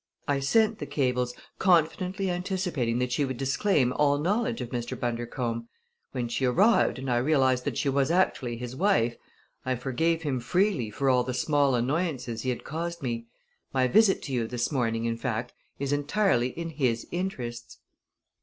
I sent the cables, confidently anticipating that she would disclaim all knowledge of Mr. Bundercombe. When she arrived, and I realized that she was actually his wife, I forgave him freely for all the small annoyances he had caused me: my visit to you this morning, in fact, is entirely in his interests."